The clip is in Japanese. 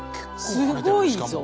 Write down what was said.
すごいぞ。